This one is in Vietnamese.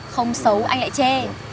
không xấu anh lại chê